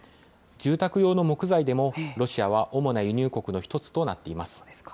住宅用の木材でも、ロシアは主な輸入国の１つとなっています。